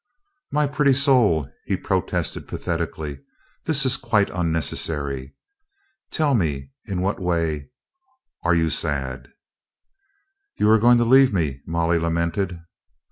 "My pretty soul !" he protested pathetically. "This is quite unnecessary. Tell me in what way you are 111?" "You are going to leave me," Molly lamented.